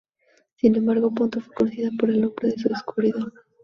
Sin embargo, pronto fue conocida por el nombre de su descubridor.